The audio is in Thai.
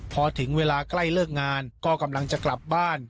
พอถึงเวลาใกล้เลิกงานก็กำลังจะกลับบ้าน